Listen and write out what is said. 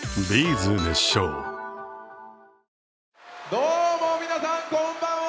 どうも皆さん、こんばんは。